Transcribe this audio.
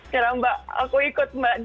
terima kasih mbak